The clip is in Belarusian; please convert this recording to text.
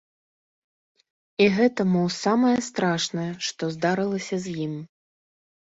І гэта мо самае страшнае, што здарылася з ім.